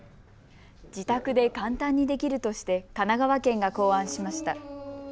自宅で簡単にできるとして神奈川県が考案しました。